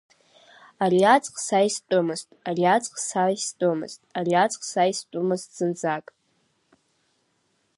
Ари аҵх са истәымызт, ари аҵх са истәымызт, ари аҵх са истәымызт зынӡак.